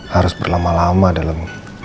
harus berlama lama dalam